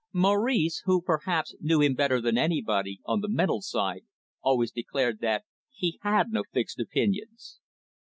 Maurice who, perhaps, knew him better than anybody, on the mental side, always declared that he had no fixed opinions.